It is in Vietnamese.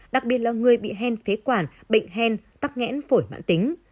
đặc biệt là người bị hèn phế quản bệnh hèn tắc nghẽn phổi mãn tính